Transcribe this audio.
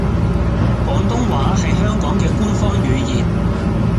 廣東話係香港嘅官方語言